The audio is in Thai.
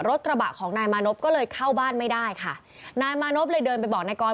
รถกระบะของนายมานพก็เลยเข้าบ้านไม่ได้ค่ะนายมานพเลยเดินไปบอกนายกร